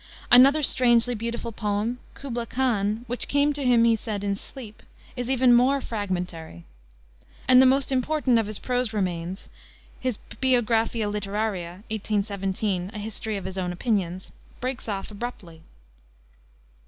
Another strangely beautiful poem, Kubla Khan which came to him, he said, in sleep is even more fragmentary. And the most important of his prose remains, his Biographia Literaria, 1817, a history of his own opinions, breaks off abruptly.